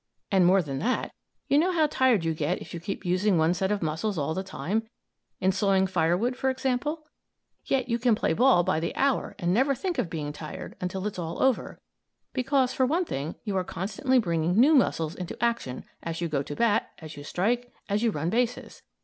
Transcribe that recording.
And more than that: You know how tired you get if you keep using one set of muscles all the time in sawing fire wood, for example. Yet you can play ball by the hour and never think of being tired until it's all over; because, for one thing, you are constantly bringing new muscles into action as you go to bat, as you strike, as you run bases.